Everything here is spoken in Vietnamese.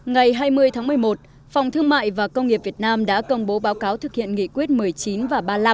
ngày hai mươi tháng một mươi một phòng thương mại và công nghiệp việt nam đã công bố báo cáo thực hiện nghị quyết một mươi chín và ba mươi năm